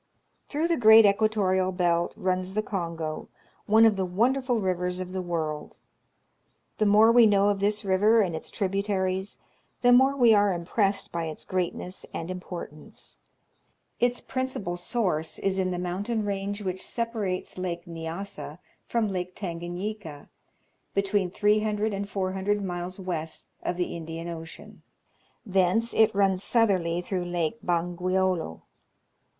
Through the great equatorial belt runs the Kongo, one of the wonderful rivers of the world. The more we know of this river and its tributaries, the more we are impressed by its greatness and importance. Its principal source is in the mountain range which separates Lake Nyassa from Lake Tangan;^lka, between 300 and 400 miles west of the Indian Ocean ; thence it runs southerly through Lake Bangweolo.